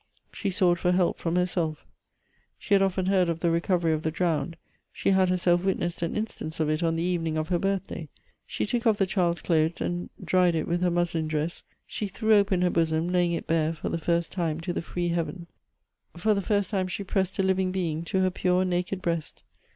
She SQUght for help from herself; she had often heard of the recovery of the drowned; she had herself wit nessed an instance of it on the eve«ing of her birthday ; she took off the child's clothes, and dried it with her muslin dress ; she threw open her bosom, laying it bare for the first time to the free heaven. For the first time she pressed a living being to her pure, naked breast.